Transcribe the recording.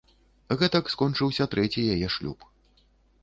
Гэтак скончыўся трэці яе шлюб.